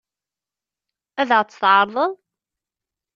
Ad ɣ-tt-teɛṛeḍ?